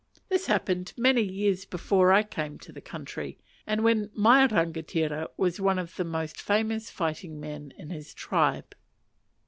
This happened many years before I came to the country, and when my rangatira was one of the most famous fighting men in his tribe.